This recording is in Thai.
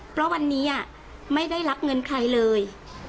เพราะวันนี้ไม่ได้รับเงินใครเลย